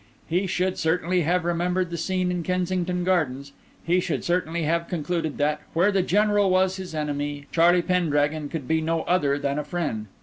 He should certainly have remembered the scene in Kensington Gardens; he should certainly have concluded that, where the General was his enemy, Charlie Pendragon could be no other than a friend.